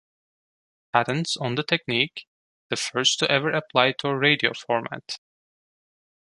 Patents on the technique, the first to ever apply to a radio format.